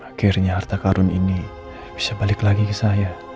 akhirnya harta karun ini bisa balik lagi ke saya